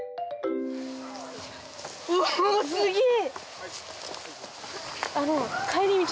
・うわすげぇ！